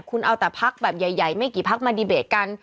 คุณเอาแต่พักแบบใหญ่ไม่กี่พักมาดีเบตกัน